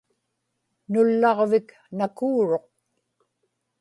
nullaġvik nakuuruq